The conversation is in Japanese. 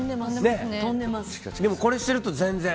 でもこれしてると全然。